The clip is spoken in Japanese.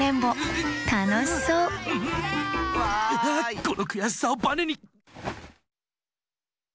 このくやしさをバネに！